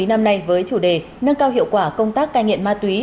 ma túy năm nay với chủ đề nâng cao hiệu quả công tác cai nghiện ma túy